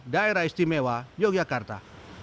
daerah istimewa yogyakarta